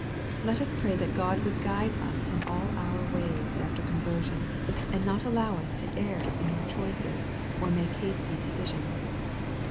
Let us pray that God would guide us in all our ways after conversion, and not allow us to err in our choices, or to make hasty decisions.